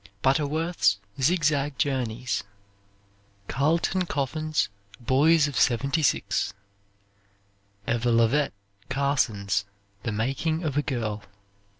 Butterworth's "Zig Zag Journeys." Carleton Coffin's, "Boys' of '76." Eva Lovett Carson's "The Making of a Girl."